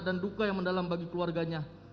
dan duka yang mendalam bagi keluarganya